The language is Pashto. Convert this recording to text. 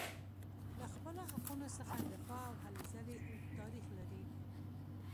له خپلو حقونو څخه دفاع او هلې ځلې اوږد تاریخ لري.